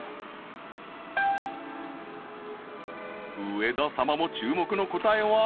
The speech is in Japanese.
上田様も注目の答えは？